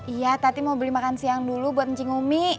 iya tati mau beli makan siang dulu buat ncing umi